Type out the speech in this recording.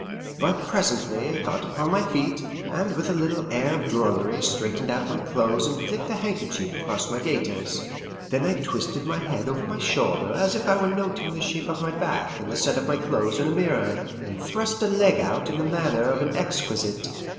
But presently I got upon my feet, and with a little air of drollery straightened out my clothes and flicked a handkerchief across my gaiters. Then I twisted my head over my shoulder as if I were noting the shape of my back and the set of my clothes in a mirror, and thrust a leg out in the manner of an exquisite.